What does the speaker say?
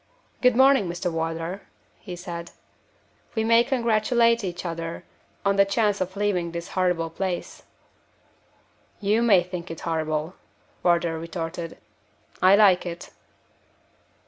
"Good morning, Mr. Wardour," he said. "We may congratulate each other on the chance of leaving this horrible place." "You may think it horrible," Wardour retorted; "I like it."